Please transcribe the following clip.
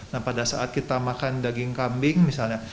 nah pada saat kita makan daging kambing misalnya